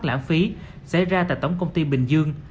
lãng phí xảy ra tại tổng công ty bình dương